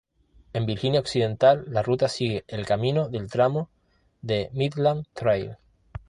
En Virginia Occidental, la ruta sigue el camino del tramo de Midland Trail.